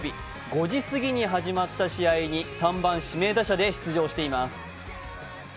５時過ぎに始まった試合に３番・指名打者で出場しています。